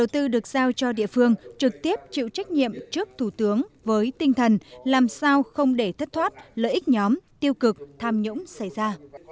trực tiếp chịu trách nhiệm trước thủ tướng với tinh thần làm sao không để thất thoát lợi ích nhóm tiêu cực tham nhũng xảy ra